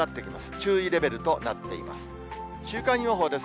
注意レベルとなっています。